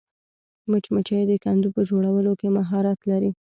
مچمچۍ د کندو په جوړولو کې مهارت لري